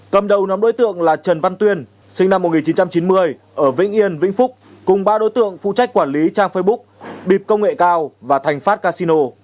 cầm đầu nhóm đối tượng là trần văn tuyên sinh năm một nghìn chín trăm chín mươi ở vĩnh yên vĩnh phúc cùng ba đối tượng phụ trách quản lý trang facebook bịp công nghệ cao và thành phát casino